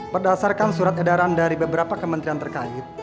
berdasarkan surat edaran dari beberapa kementerian terkait